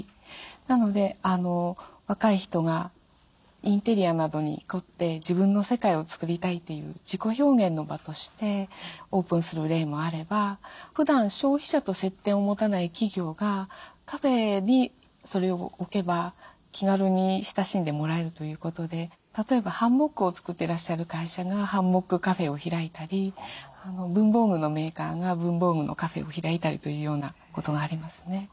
なので若い人がインテリアなどに凝って自分の世界を作りたいという自己表現の場としてオープンする例もあればふだん消費者と接点を持たない企業がカフェにそれを置けば気軽に親しんでもらえるということで例えばハンモックを作っていらっしゃる会社がハンモックカフェを開いたり文房具のメーカーが文房具のカフェを開いたりというようなことがありますね。